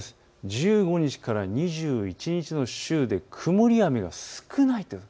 １５日から２１日の週で曇りや雨が少ない。